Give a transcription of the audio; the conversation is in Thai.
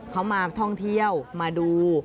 เขามาท่องเที่ยวมาดู